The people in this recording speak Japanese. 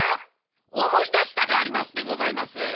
おもい出したでありますでございます。